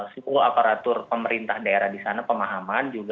sepuluh aparatur pemerintah daerah di sana pemahaman juga